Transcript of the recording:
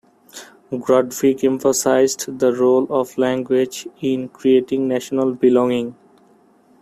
Grundtvig emphasized the role of language in creating national belonging.